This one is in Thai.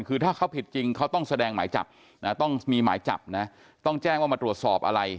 คือถ้าเขาผิดจริงเขาต้องแสดงหมายจับนะต้องมีหมายจับนะต้องแจ้งว่ามาตรวจสอบอะไร